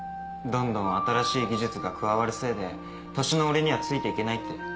どんどん新しい技術が加わるせいで年の俺にはついていけないって。